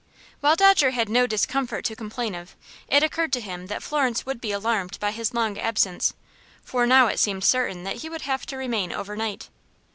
While Dodger had no discomfort to complain of, it occurred to him that Florence would be alarmed by his long absence, for now it seemed certain that he would have to remain overnight.